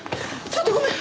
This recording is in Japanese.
ちょっとごめん！